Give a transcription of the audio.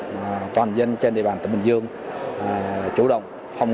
và toàn dân trên địa bàn tỉnh bình dương